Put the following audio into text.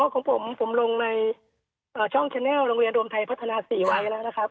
ของผมผมลงในช่องแนลโรงเรียนรวมไทยพัฒนา๔ไว้แล้วนะครับ